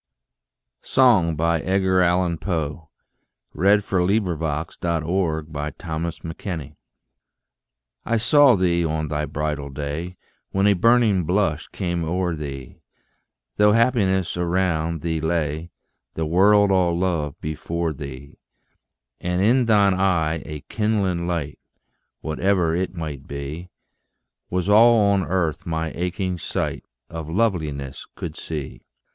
es at the beam Of her soul searching eyes. 1829. SONG. I saw thee on thy bridal day When a burning blush came o'er thee, Though happiness around thee lay, The world all love before thee: And in thine eye a kindling light (Whatever it might be) Was all on Earth my aching sight Of Loveliness could see.